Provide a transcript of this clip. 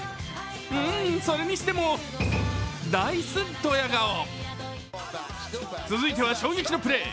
うん、それにしてもナイスドヤ顔続いては衝撃のプレー。